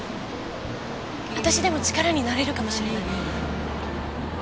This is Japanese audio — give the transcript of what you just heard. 私でも力になれるかもしれない。